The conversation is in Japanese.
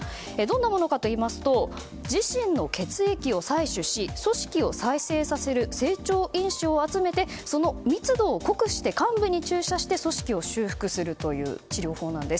どんなものかというと自身の血液を採取し組織を再生する成長因子を集めてその密度を濃くして患部に注射して組織を修復するという治療法です。